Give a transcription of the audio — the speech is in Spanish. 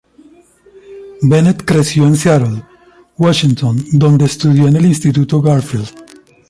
Bennett creció en Seattle, Washington, donde estudió en el Instituto Garfield.